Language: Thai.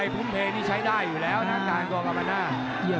พวกจะแล้วก็ดิมากเลย